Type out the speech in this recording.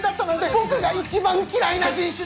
僕が一番嫌いな人種だ！